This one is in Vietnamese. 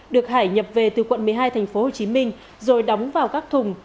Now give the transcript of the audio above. được hải nhập về từ quận một mươi hai tp hcm rồi đóng vào các thùng